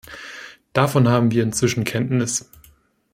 Davon haben wir inzwischen Kenntnis.